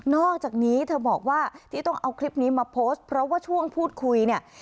อกจากนี้เธอบอกว่าที่ต้องเอาคลิปนี้มาโพสต์เพราะว่าช่วงพูดคุยเนี่ย